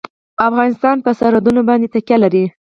افغانستان په سرحدونه باندې تکیه لري.